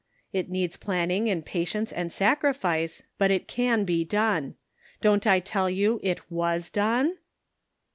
It needs planning and patience and sacrifice, but it can be done. Don't I tell you it was done?